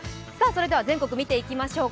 それでは全国見ていきましょう。